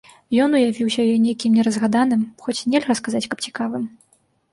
Ён уявіўся ёй нейкім неразгаданым, хоць нельга сказаць, каб цікавым.